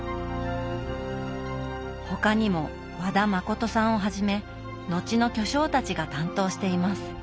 他にも和田誠さんをはじめ後の巨匠たちが担当しています。